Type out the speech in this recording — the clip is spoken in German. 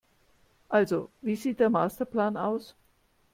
Also, wie sieht der Masterplan aus?